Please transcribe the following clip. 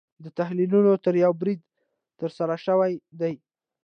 دا تحلیلونه تر یوه بریده ترسره شوي دي.